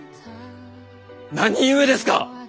何故ですか？